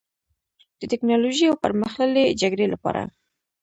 د ټیکنالوژۍ او پرمختللې جګړې لپاره